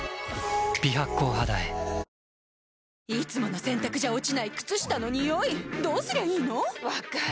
いつもの洗たくじゃ落ちない靴下のニオイどうすりゃいいの⁉分かる。